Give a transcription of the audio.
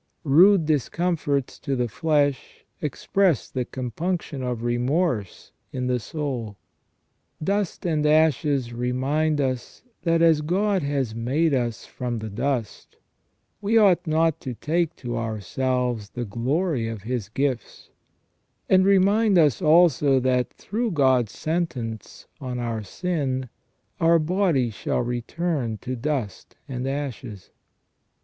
Rude discomforts to the flesh express the compunction of remorse in the soul. Dust and ashes remind us that as God has made us from the dust we ought not to take to ourselves the glory of His gifts ; and remind us also that through God's sentence on our sin, our bodies shall return to dust and ashes."